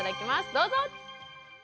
どうぞ。